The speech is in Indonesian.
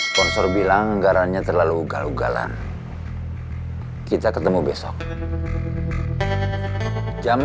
sama orangnya gak ada